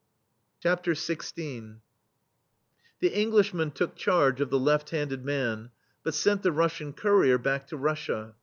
THE STEEL FLEA XVI The Englishmen took charge of the left handed man, but sent the Russian Courier back to Russia.